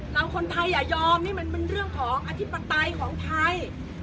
คนไทยอย่ายอมนี่มันเป็นเรื่องของอธิปไตยของไทย